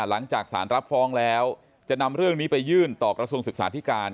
หลังจากสารรับฟ้องแล้วจะนำเรื่องนี้ไปยื่นต่อกระทรวงศึกษาธิการ